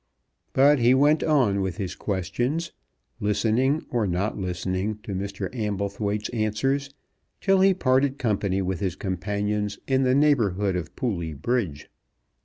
But he went on with his questions, listening or not listening to Mr. Amblethwaite's answers, till he parted company with his companions in the neighbourhood of Pooley Bridge.